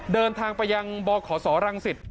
เดินทางไปยังบขศรังสิต